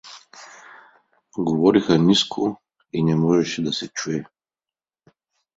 Говореха ниско и не можеше да се чуе.